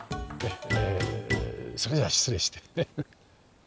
えそれでは失礼して。